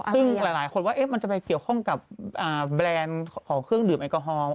ซึ่งหลายคนว่ามันจะไปเกี่ยวข้องกับแบรนด์ของเครื่องดื่มแอลกอฮอล์